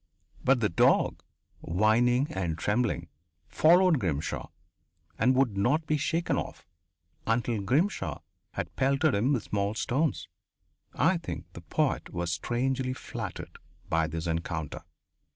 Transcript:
But the dog, whining and trembling, followed Grimshaw, and would not be shaken off until Grimshaw had pelted him with small stones. I think the poet was strangely flattered by this encounter.